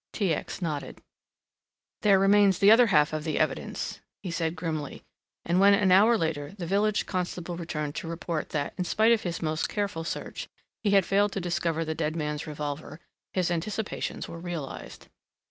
T. X. nodded. "There remains the other half of the evidence," he said grimly, and when an hour later, the village constable returned to report that in spite of his most careful search he had failed to discover the dead man's revolver, his anticipations were realized.